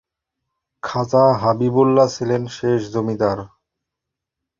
খাজা হাবিবুল্লাহ ছিলেন শেষ জমিদার।